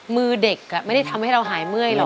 มือเด็กไม่ได้ทำให้เราหายเมื่อยหรอก